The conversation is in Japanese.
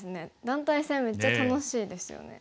団体戦めっちゃ楽しいですよね。